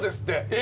え！